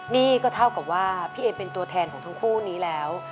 นี่ก็เท่ากับว่าพี่เอมเป็นตัวแทนของทั้งคู่นี้แล้ว